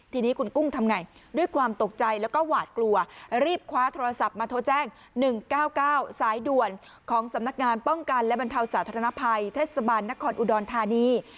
ทีนี้คุณกุ้งทำไงด้วยความตกใจแล้วก็หวาดกลัวรีบคว้าโทรศัพท์มาโทรแจ้ง๑๙๙สายด่วนของสำนักงานป้องกันและบรรเทาสาธารณภัยเทศบาลนครอุดรธานี